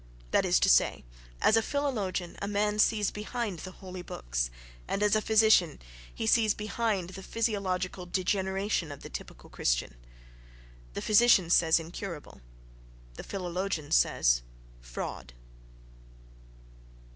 That is to say, as a philologian a man sees behind the "holy books," and as a physician he sees behind the physiological degeneration of the typical Christian. The physician says "incurable"; the philologian says "fraud."...